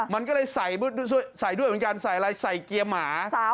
มันก็เลยใส่เกียร์หมา